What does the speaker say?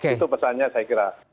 itu pesannya saya kira